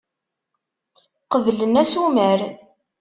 Qeblen asumer.